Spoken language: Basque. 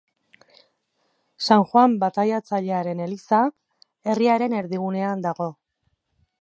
San Joan Bataiatzailearen eliza, herriaren erdigunean dago.